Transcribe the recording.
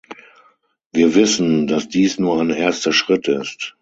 Wir wissen, dass dies nur ein erster Schritt ist.